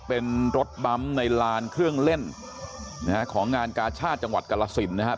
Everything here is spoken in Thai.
เป็นรถบั๊มในลานเครื่องเล่นของงานกาชาเจางวัดกราศิลป์นะครับ